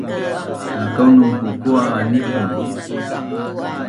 na konun kukua’ a nipun